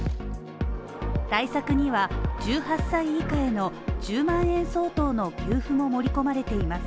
対策には１８歳以下への１０万円相当の給付も盛り込まれています。